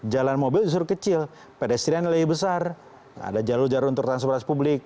jalan mobil justru kecil pedestrian lebih besar ada jalur jalur untuk transportasi publik